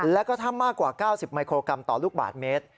แล้วก็ถ้ำมากกว่า๙๐มิโครกรัมต่อลูกบาทเมตร